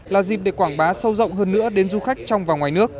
là dịp để quảng bá sâu rộng hơn nữa đến du khách trong và ngoài nước